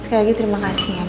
sekali lagi terima kasih ya